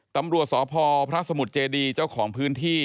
ตำรวจสพพระสมุทรเจดีเจ้าของพื้นที่